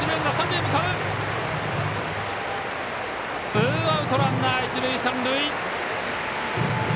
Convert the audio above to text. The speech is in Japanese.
ツーアウトランナー、一塁三塁。